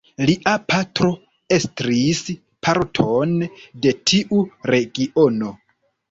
Lia patro estris parton de tiu regiono.